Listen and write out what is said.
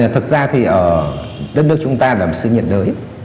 thực ra thì đất nước chúng ta là một sự nhiệt đới